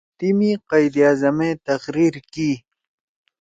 تیمی قائداعظم ئے تقریر کی